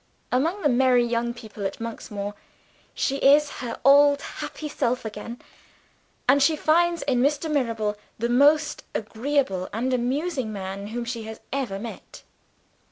Among the merry young people at Monksmoor she is her old happy self again; and she finds in Mr. Mirabel the most agreeable and amusing man whom she has ever met.